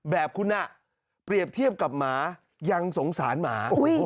แบบคุณเปรียบเทียบกับหมายังสงสารหมา